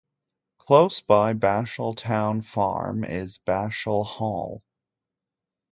Close by Bashall Town farm is Bashall Hall.